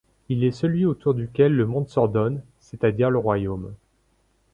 Il est celui autour duquel le monde s'ordonne, c'est-à-dire le royaume.